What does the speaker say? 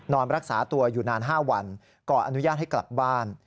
นอนรักษาตัวอยู่นาน๕วันก่อนอนุญาตให้กลับบ้าน